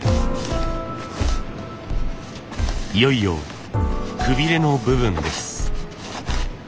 いよいよくびれの部分です。